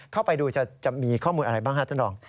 เข้าไปดูจะมีข้อมูลอะไรบ้างครับท่านรอง